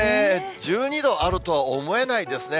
１２度あるとは思えないですね。